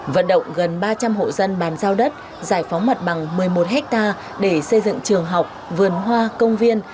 vận động gần ba trăm linh hộ dân bàn giao đất giải phóng mặt bằng một mươi một hectare để xây dựng trường học vườn hoa công viên